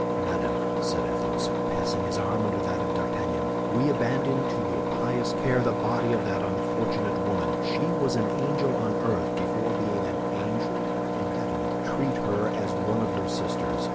"Madame," said Athos, passing his arm under that of D'Artagnan, "we abandon to your pious care the body of that unfortunate woman. She was an angel on earth before being an angel in heaven. Treat her as one of your sisters.